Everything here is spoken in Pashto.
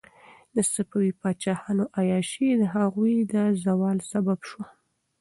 د صفوي پاچاهانو عیاشي د هغوی د زوال سبب شوه.